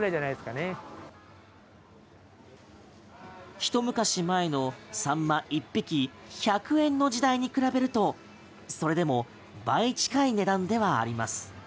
一昔前のサンマ１匹１００円の時代に比べるとそれでも倍近い値段ではあります。